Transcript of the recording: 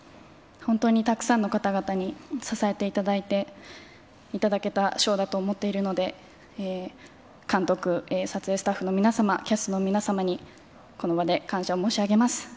本当にたくさんの方々に支えていただいて、頂けた賞だと思っているので、監督、撮影スタッフの皆様、キャストの皆様に、この場で感謝を申し上げます。